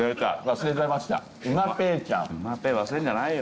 忘れんじゃないよ。